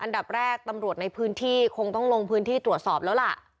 อันดับแรกตำรวจในพื้นที่คงต้องลงพื้นที่ตรวจสอบแล้วล่ะ